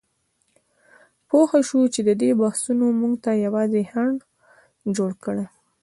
پوهه شو چې دې بحثونو موږ ته یوازې خنډ جوړ کړی دی.